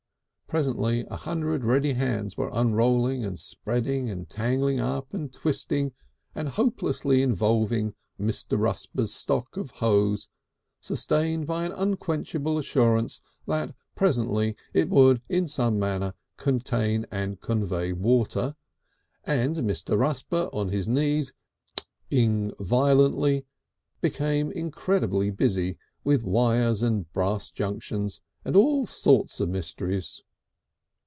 Presently a hundred ready hands were unrolling and spreading and tangling up and twisting and hopelessly involving Mr. Rusper's stock of hose, sustained by an unquenchable assurance that presently it would in some manner contain and convey water, and Mr. Rusper, on his knees, (kiking) violently, became incredibly busy with wire and brass junctions and all sorts of mysteries.